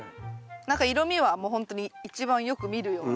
何か色みはもうほんとに一番よく見るような。